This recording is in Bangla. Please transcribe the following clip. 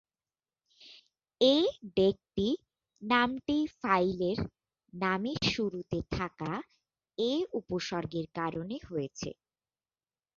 এ-ডেকটি নামটি ফাইলের নামের শুরুতে থাকা এ-উপস্বর্গের কারণে হয়েছে।